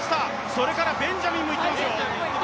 それからベンジャミンもいきますよ。